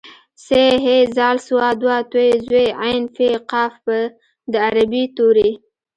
ث ح ذ ص ض ط ظ ع ف ق په د عربۍ توري